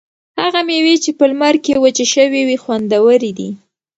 هغه مېوې چې په لمر کې وچې شوي وي خوندورې دي.